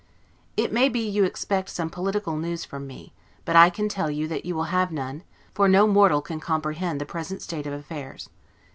It may be you expect some political news from me: but I can tell you that you will have none, for no mortal can comprehend the present state of affairs.